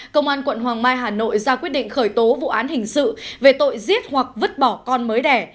công an quận hoàng mai hà nội ra quyết định khởi tố vụ án hình sự về tội giết hoặc vứt bỏ con mới đẻ